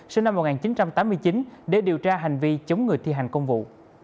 sinh năm một nghìn chín trăm tám mươi chín để điều tra hành vi chống người thi hành công vụ